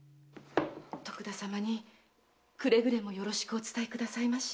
徳田様にくれぐれもよろしくお伝えくださいまし。